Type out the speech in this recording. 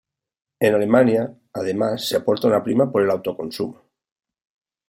En Alemania, además se aporta una prima por el autoconsumo.